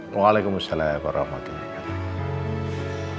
waalaikumsalam warahmatullahi wabarakatuh